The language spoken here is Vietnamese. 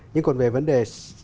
nhưng còn về vấn đề